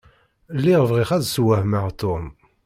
Lliɣ bɣiɣ ad sswehmeɣ Tom.